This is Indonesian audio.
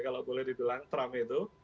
kalau boleh dibilang trump itu